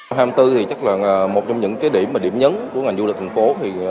năm hai nghìn hai mươi bốn thì chắc là một trong những cái điểm điểm nhấn của ngành du lịch thành phố